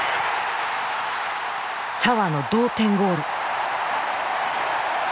澤の同点ゴール。